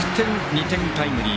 ２点タイムリー。